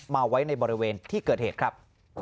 มาไว้ในบริเวณที่เกิดเหตุครับ